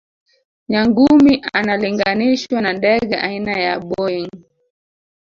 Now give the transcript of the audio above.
nyangumi analinganishwa na ndege aina ya boeing